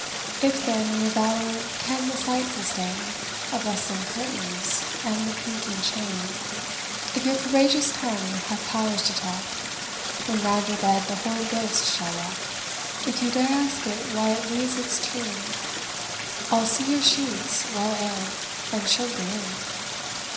If, then, your valour can the sight sustain Of rustling curtains and the clinking chain If your courageous tongue have powers to talk, When round your bed the horrid ghost shall walk If you dare ask it why it leaves its tomb, I'll see your sheets well air'd, and show the Room."